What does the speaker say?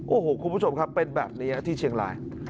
โอ้โหคุณผู้ชมครับเป็นแบบนี้ที่เชียงราย